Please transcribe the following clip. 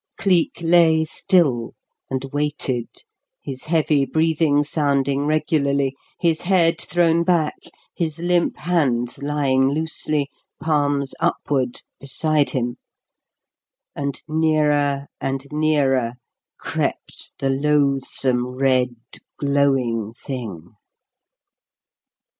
Cleek lay still and waited, his heavy breathing sounding regularly, his head thrown back, his limp hands lying loosely, palms upward, beside him; and nearer and nearer crept the loathsome, red, glowing thing.